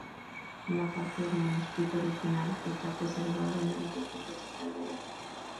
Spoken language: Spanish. Una parte del manuscrito original está preservada en la Biblioteca Estatal de Berlín.